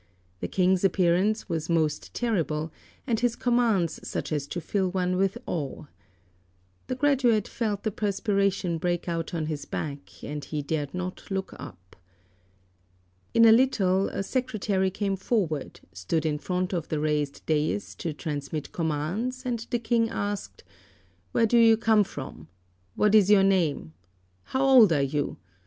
The King's appearance was most terrible, and his commands such as to fill one with awe. The graduate felt the perspiration break out on his back, and he dared not look up. In a little a secretary came forward, stood in front of the raised dais to transmit commands, and the King asked, "Where do you come from? What is your name? How old are you?